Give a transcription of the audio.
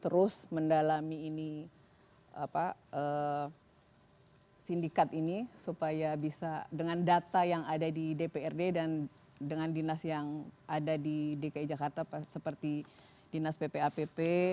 terus mendalami ini sindikat ini supaya bisa dengan data yang ada di dprd dan dengan dinas yang ada di dki jakarta seperti dinas ppapp